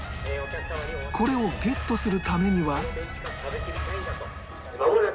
これをゲットするためには